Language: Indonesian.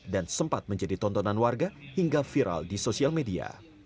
dan sempat menjadi tontonan warga hingga viral di sosial media